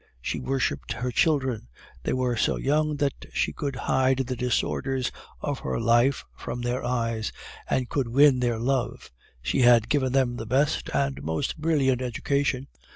She worshiped her children. They were so young that she could hide the disorders of her life from their eyes, and could win their love; she had given them the best and most brilliant education.